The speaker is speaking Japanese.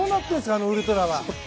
あのウルトラは。